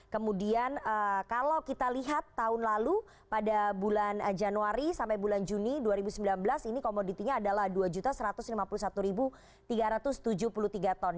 kemudian kalau kita lihat tahun lalu pada bulan januari sampai bulan juni dua ribu sembilan belas ini komoditinya adalah dua satu ratus lima puluh satu tiga ratus tujuh puluh tiga ton